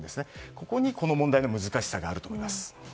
ここに、この問題の難しさがあると思います。